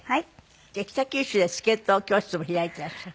じゃあ北九州でスケート教室も開いていらっしゃる。